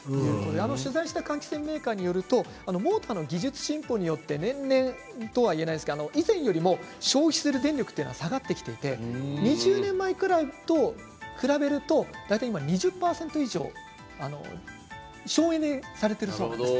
取材した換気扇メーカーによるとモーターの技術進歩によって年々とは言えないですが以前よりも消費する電力が下がってきていて２０年前ぐらいと比べると大体、今２０％以上省エネになっているそうです。